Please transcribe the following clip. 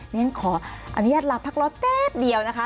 ฉะนั้นขออนุญาตลาบพักรอแป๊บเดียวนะคะ